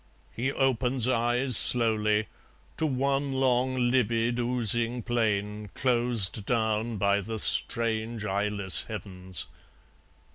He opens eyes Slowly, to one long livid oozing plain Closed down by the strange eyeless heavens.